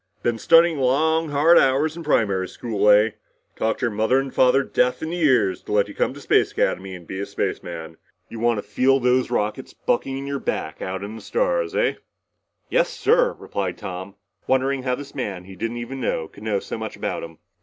"Been studying long hard hours in primary school, eh? Talked your mother and father deaf in the ears to let you come to Space Academy and be a spaceman! You want to feel those rockets bucking in your back out in the stars? EH?" "Yes, sir," replied Tom, wondering how this man he didn't even know could know so much about him.